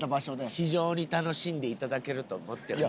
非常に楽しんでいただけると思っております。